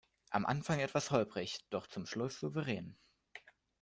Am Anfang etwas holprig, doch zum Schluss souverän.